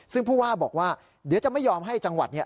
ซึ่งผู้ว่าบอกว่าเดี๋ยวจะไม่ยอมให้จังหวัดเนี่ย